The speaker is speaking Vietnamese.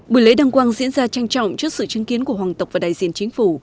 buổi lễ đăng quang diễn ra tranh trọng trước sự chứng kiến của hoàng tộc và đại diện chính phủ